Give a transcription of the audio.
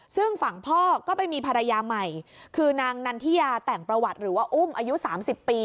ซึ่งฝั่งพ่อก็ไปมีภรรยาใหม่คือนางนันทิยาแต่งประวัติหรือว่าอุ้มอายุ๓๐ปี